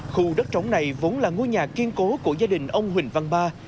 khu đất trống này vốn là ngôi nhà kiên cố của gia đình ông huỳnh văn ba